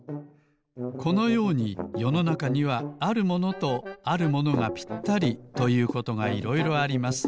このようによのなかにはあるものとあるものがぴったりということがいろいろあります。